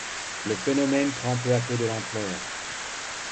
Le phénomène prend peu à peu de l'ampleur.